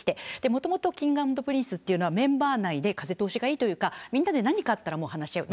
もともとＫｉｎｇ＆Ｐｒｉｎｃｅというのは、メンバー内で風通しがいいというか、みんなで何かあったら話し合う。